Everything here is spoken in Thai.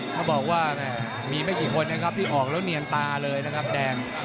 เขาบอกว่ามีไม่กี่คนนะครับที่ออกแล้วเนียงตาเลยนะครับแดง